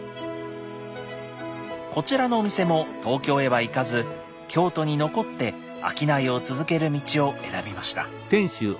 こちらのお店も東京へは行かず京都に残って商いを続ける道を選びました。